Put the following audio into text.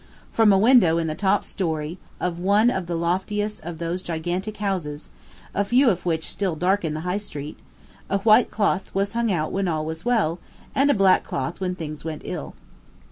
From a window in the top story of one of the loftiest of those gigantic houses, a few of which still darken the High Street, a white cloth was hung out when all was well, and a black cloth when things went ill.